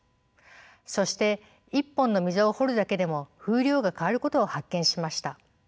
そして一本の溝を彫るだけでも風量が変わることを発見しました。